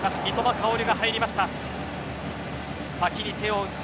薫が入りました。